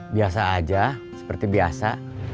biasa aja seperti biasa